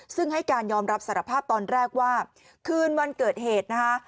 ซึ่งให้การยอมรับสารภาพตอนแรกว่าคืนวันเกิดเหตุนะคะ